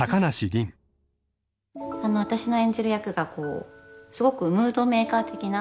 私の演じる役がすごくムードメーカー的な。